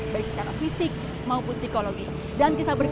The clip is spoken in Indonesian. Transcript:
lihat ada bisaan nahus dan nanti jadi klinik